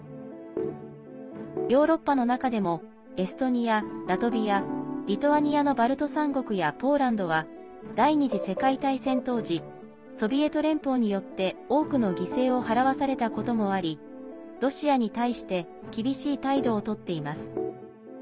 ヨーロッパの中でもエストニア、ラトビアリトアニアのバルト３国やポーランドは第２次世界大戦当時ソビエト連邦によって多くの犠牲を払わされたこともありロシアに対して厳しい態度をとっています。